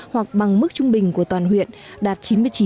hoặc bằng mức trung bình của toàn huyện đạt chín mươi chín